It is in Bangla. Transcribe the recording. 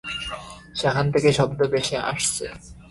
সেখান থেকে শব্দ ভেসে আসছে।